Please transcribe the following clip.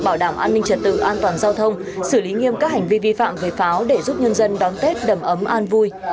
bảo đảm an ninh trật tự an toàn giao thông xử lý nghiêm các hành vi vi phạm về pháo để giúp nhân dân đón tết đầm ấm an vui